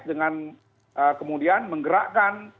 dengan kemudian menggerakkan